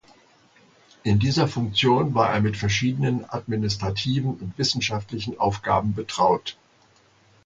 In dieser Funktion war er mit verschiedenen administrativen und wissenschaftlichen Aufgaben betraut.